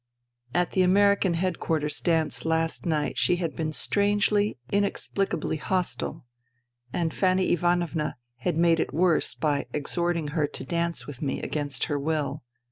At the American Headquarters dance last night she had been strangely, inexplicably hostile ; and Fanny Ivanovna had made it worse by exhorting her to dance with me against her will.